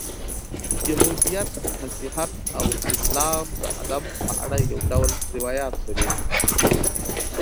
یهودیت، مسیحیت او اسلام د آدم په اړه یو ډول روایات لري.